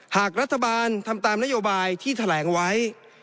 หากรัฐบาลทำตามนโยบายที่แถลงไว้